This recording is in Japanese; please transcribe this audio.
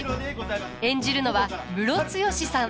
演じるのはムロツヨシさん。